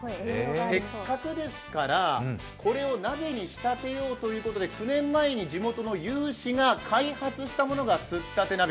せっかくですから、これを鍋に仕立てようということで９年前に地元の有志が開発したものがすったて鍋。